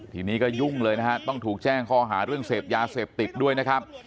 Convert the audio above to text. ทีนี้ก็ยุ่งเลยนะฮะต้องถูกแจ้งข้อหาเรื่องเสพยาเสพติดด้วยนะครับ